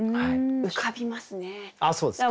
浮かびますね。